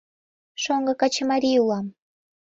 Шоҥго качымарий улам.